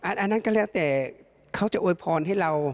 อันนั้นก็แล้วแต่เขาจะอวยพรให้เรา